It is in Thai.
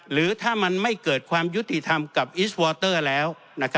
หรือถ้ามันไม่เกิดความยุติธรรมกับอิสวอเตอร์แล้ว